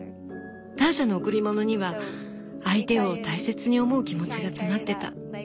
ターシャの贈り物には相手を大切に思う気持ちが詰まってた。